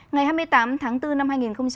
ngày hai mươi tám tháng bốn năm hai nghìn hai mươi